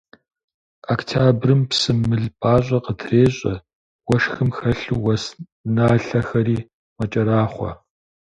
Октябрым псым мыл пӀащӀэ къытрещӀэ, уэшхым хэлъу уэс налъэхэри мэкӀэрахъуэ.